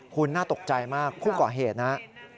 คุณน่าตกใจมากผู้ก่อเหตุนะครับ